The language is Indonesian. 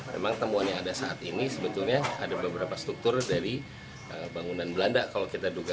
memang temuan yang ada saat ini sebetulnya ada beberapa struktur dari bangunan belanda kalau kita duga